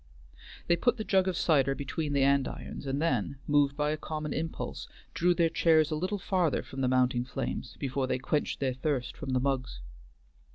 They put the jug of cider between the andirons, and then, moved by a common impulse, drew their chairs a little farther from the mounting flames, before they quenched their thirst from the mugs.